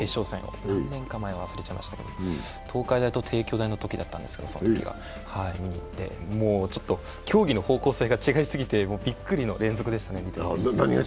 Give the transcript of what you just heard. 何年か前かは忘れましたけど、東海大と帝京大のときだったんですけど、見にいって、競技の方向性が違いすぎてびっくりの連続でしたね。